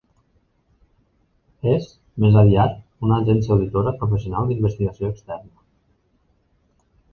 És, més aviat, una agència auditora professional d'investigació externa.